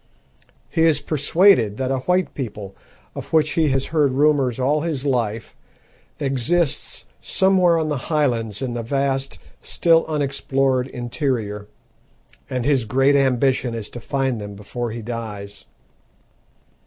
He is persuaded that a white people, of which he has heard rumours all his life, exists somewhere on the highlands in the vast, still unexplored interior, and his great ambition is to find them before he dies.